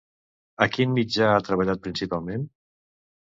A quin mitjà ha treballat principalment?